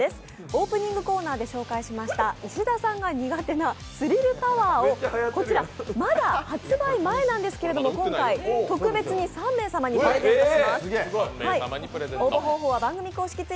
オープニングコーナーで紹介した、石田さんが苦手なスリルタワーを、まだ発売前なんですけど今回、特別に３名様にプレゼントいたします。